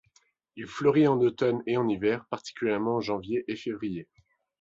Il fleurit en automne et en hiver, particulièrement en janvier et février.